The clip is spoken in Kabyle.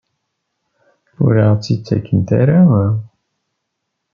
Ur aɣ-tt-id-ttakent ara?